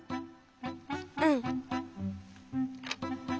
うん。